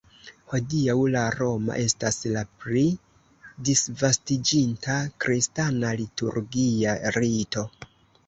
Hodiaŭ la roma estas la pli disvastiĝinta kristana liturgia rito.